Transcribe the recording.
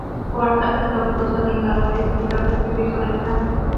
Ford aceptó gustoso el encargo del editor de escribir sobre España.